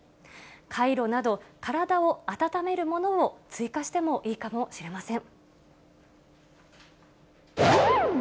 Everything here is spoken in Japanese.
カイロなど、体を温めるものを追加してもいいかもしれません。